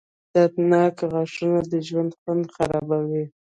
• دردناک غاښونه د ژوند خوند خرابوي.